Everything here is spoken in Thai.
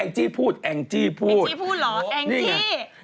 เองจี้พูดหรอเองจี้เอาใบบัวมาปิด